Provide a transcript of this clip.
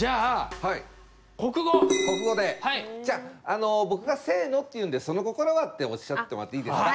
じゃあ僕が「せの！」って言うんで「その心は？」っておっしゃってもらっていいですか？